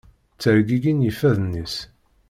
Ttergigin yifadden-is.